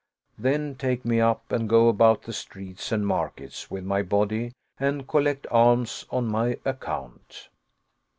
Then take me up and go about the streets and markets with my body and col lect alms on my account.